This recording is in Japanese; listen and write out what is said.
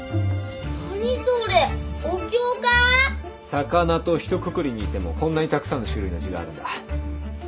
魚とひとくくりに言ってもこんなにたくさんの種類の字があるんだ。